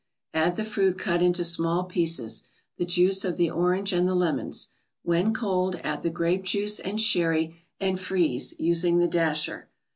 Add the fruit cut into small pieces, the juice of the orange and the lemons; when cold, add the grape juice and sherry, and freeze, using the dasher.